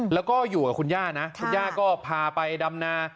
แล้วก็อยู่กับคุณย่านะคุณย่าก็พาไปดำนา